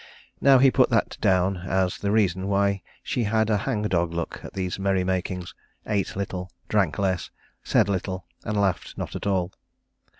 Now he put that down as the reason why she had a hang dog look at these merry makings, ate little, drank less, said little and laughed not at all.